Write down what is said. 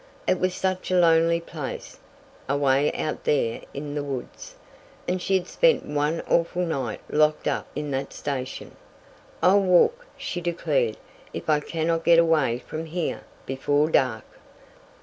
It was such a lonely place away out there in the woods, and she had spent one awful night locked up in that station! "I'll walk," she declared, "if I cannot get away from here before dark!"